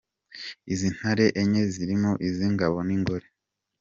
Izi ntare enye zirimo izingabo n’ ingore.